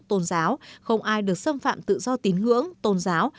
tôn giáo không ai được xâm phạm tự do tín ngưỡng tôn giáo